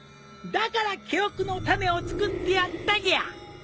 だから記憶の種をつくってやったぎゃ。